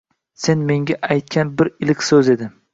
Sen menga aytgan bir iliq so‘z edi…